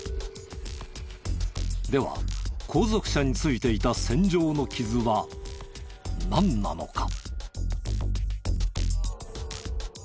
では後続車についていた線状の傷はなんなのか？